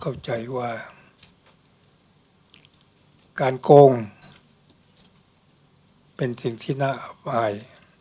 เข้าใจว่าการโกงเป็นสิ่งที่น่าอับอาย